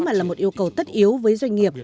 mà là một yêu cầu tất yếu với doanh nghiệp